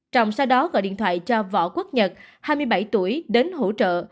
trọng sau đó gọi điện thoại cho võ quốc nhật hai mươi bảy tuổi đến hỗ trợ